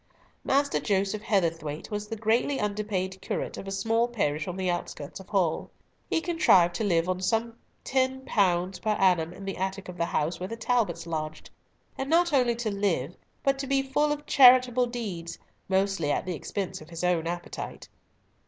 Master Joseph Heatherthwayte was the greatly underpaid curate of a small parish on the outskirts of Hull. He contrived to live on some (pounds)10 per annum in the attic of the house where the Talbots lodged,—and not only to live, but to be full of charitable deeds, mostly at the expense of his own appetite.